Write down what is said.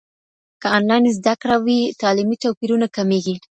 که انلاین زده کړه وي، تعلیمي توپیرونه کمېږي.